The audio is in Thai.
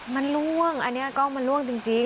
มันล่วงอันนี้กล้องมันล่วงจริง